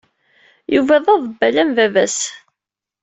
Yuba d aḍebbal am baba-s.